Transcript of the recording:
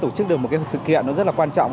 tổ chức được một sự kiện rất là quan trọng